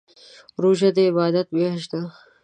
روژه دي عبادات میاشت ده